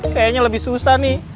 kayanya lebih susah nih